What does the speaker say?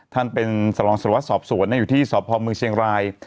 ท่านเป็นสลองศาลวัฒน์สอบสวนอยู่ที่สอบภอมเมืองเชียงราย